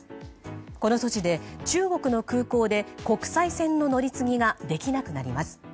この措置で、中国の空港で国際線の乗り継ぎができなくなります。